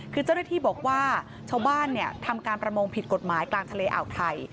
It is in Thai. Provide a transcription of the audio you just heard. คือเจ้าหน้าที่บอกว่าชาวบ้านทำการประมงผิดกฎหมายกลางทะเลอ่าวไทย